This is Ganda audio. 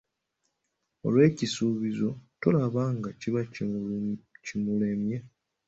Olwo ekisuubizo tolaba nga kiba kimulemye ?